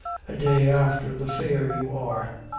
A day after the fair you are.